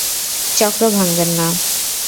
চক্র ভাঙ্গবেন না।